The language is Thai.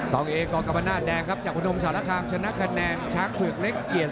องเอกอกรรมนาศแดงครับจากพนมสารคามชนะคะแนนช้างเผือกเล็กเกียรติ